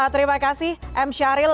terima kasih m syahril